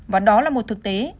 và đó là một thực tế